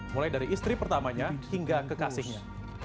mulai dari istri pertamanya hingga kekasihnya